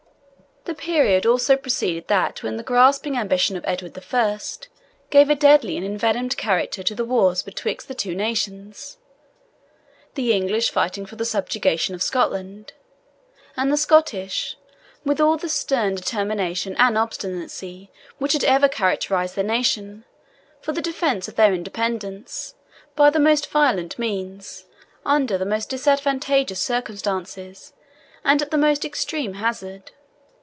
The period also preceded that when the grasping ambition of Edward I. gave a deadly and envenomed character to the wars betwixt the two nations the English fighting for the subjugation of Scotland, and the Scottish, with all the stern determination and obstinacy which has ever characterized their nation, for the defence of their independence, by the most violent means, under the most disadvantageous circumstances, and at the most extreme hazard.